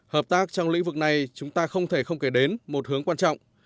hợp tác trong lĩnh vực này chúng ta không thể không kể đến một hướng quan trọng